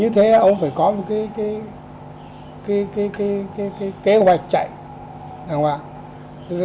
như thế ông phải có một cái kế hoạch chạy đàng hoàng